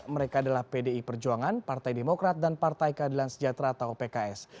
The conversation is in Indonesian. mereka adalah pdi perjuangan partai demokrat dan partai keadilan sejahtera atau pks